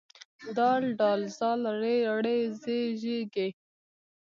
د ډ ذ ر ړ ز ژ ږ